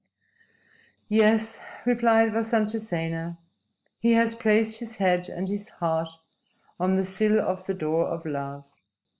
"Yes," replied Vasantasena. "He has placed his head and his heart on the sill of the door of love.